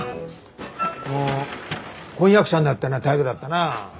もう婚約者になったような態度だったな。